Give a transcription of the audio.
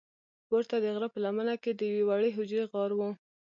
پورته د غره په لمنه کې د یوې وړې حجرې غار و.